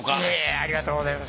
ありがとうございます。